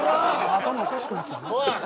頭おかしくなっちゃうなおい！